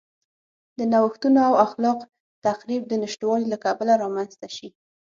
د نوښتونو او خلاق تخریب د نشتوالي له کبله رامنځته شي.